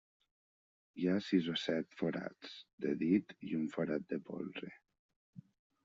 Hi ha sis o set forats de dit i un forat de polze.